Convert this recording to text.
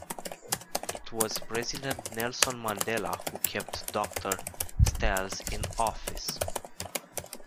It was President Nelson Mandela who kept Doctor Stals in office.